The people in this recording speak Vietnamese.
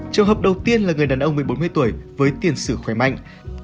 trường hợp đầu tiên là người đàn ông một mươi bốn mươi tuổi với tiền sử khỏe mạnh